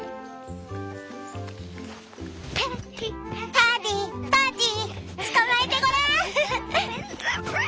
パディパディつかまえてごらん！